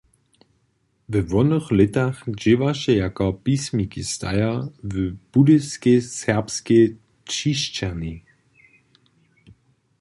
We wonych lětach dźěłaše jako pismikistajer w Budyskej serbskej ćišćerni.